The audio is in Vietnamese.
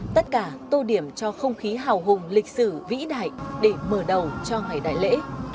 tất cả tô điểm cho không khí hào hùng lịch sử vĩ đại để mở đầu cho ngày đại lễ